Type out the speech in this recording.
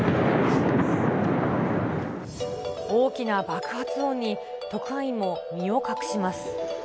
大きな爆発音に特派員も身を隠します。